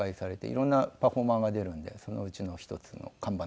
いろんなパフォーマーが出るんでそのうちの１つの看板ですね。